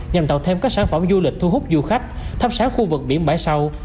nhằm tạo thêm các sản phẩm du lịch thu hút du khách thắp sáng khu vực biển bãi sau